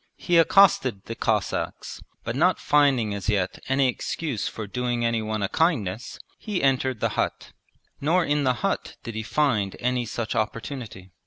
He accosted the Cossacks, but not finding as yet any excuse for doing anyone a kindness, he entered the hut; nor in the hut did he find any such opportunity.